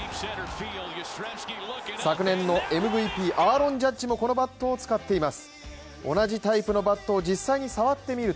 昨年のＭＶＰ、アーロン・ジャッジもこのバットを使っています。